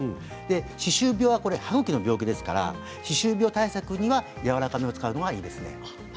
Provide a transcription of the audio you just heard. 歯周病は歯ぐきの病気ですので歯周病対策にはやわらかめを使うのがいいですね。